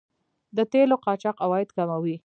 د تیلو قاچاق عواید کموي.